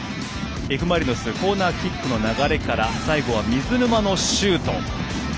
Ｆ・マリノス、コーナーキックの流れから最後は水沼のシュート。